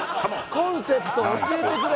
「コンセプトを教えてくれ。